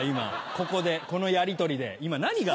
ここでこのやりとりで今何が。